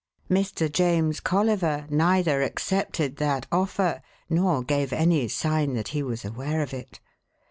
Mr. James Colliver neither accepted that offer nor gave any sign that he was aware of it.